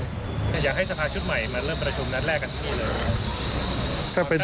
อยากให้สภาชุดใหม่มาเริ่มประชุมนัดแรกกันที่นี่เลย